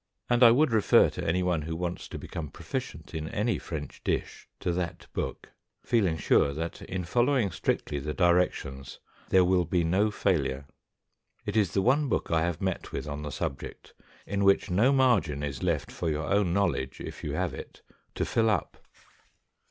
And I would refer any one who wants to become proficient in any French dish, to that book, feeling sure that, in following strictly the directions, there will be no failure. It is the one book I have met with on the subject in which no margin is left for your own knowledge, if you have it, to fill up.